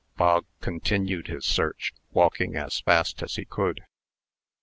Bog continued his search, walking as fast as he could.